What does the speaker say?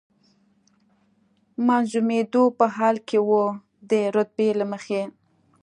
منظمېدو په حال کې و، د رتبې له مخې.